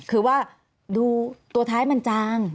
คือว่าดูตัวท้ายมันจาง